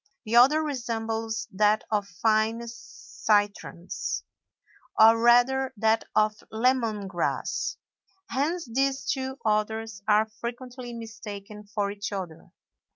The odor resembles that of fine citrons, or rather that of lemon grass; hence these two odors are frequently mistaken for each other.